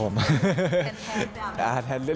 เป็นแทนดำครับ